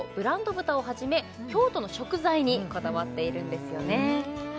豚をはじめ京都の食材にこだわっているんですよね